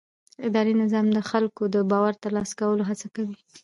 اداري نظام د خلکو د باور د ترلاسه کولو هڅه کوي.